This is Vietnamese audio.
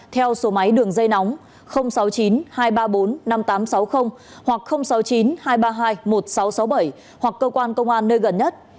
theo số máy đường dây nóng sáu mươi chín hai trăm ba mươi bốn năm nghìn tám trăm sáu mươi hoặc sáu mươi chín hai trăm ba mươi hai một nghìn sáu trăm sáu mươi bảy hoặc cơ quan công an nơi gần nhất